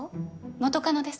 元カノです。